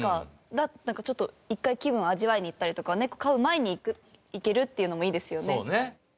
ちょっと一回気分を味わいに行ったりとかネコ飼う前に行けるっていうのもいいですよね。